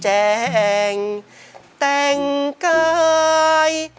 จัดแจ้งแต่งกาย